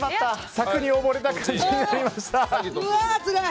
策に溺れた感じになりました。